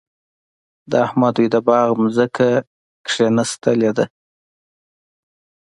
د احمد دوی د باغ ځمکه کېنستې ده.